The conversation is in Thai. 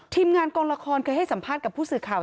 ทีมงานกองละครเคยให้สัมภาษณ์กับผู้สื่อข่าว